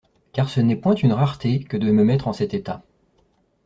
Car ce n'est point une rareté que de me mettre en cet état.